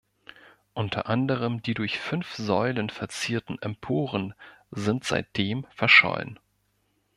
Unter anderem die durch fünf Säulen verzierten Emporen sind seitdem verschollen.